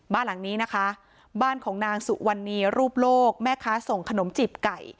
บ้านหลังนี้นะคะบ้านของนางสุวรรณีรูปโลกแม่ค้าส่งขนมจีบไก่